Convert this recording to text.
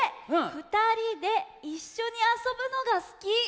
「ふたりでいっしょにあそぶのがすき」。